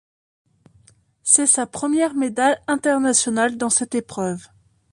C'est sa première médaille internationale dans cette épreuve.